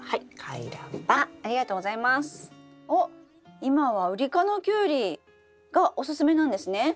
おっ今はウリ科のキュウリがおすすめなんですね。